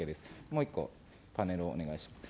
もう１個、パネルをお願いします。